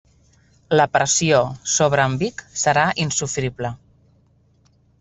La pressió sobre en Vic serà insofrible.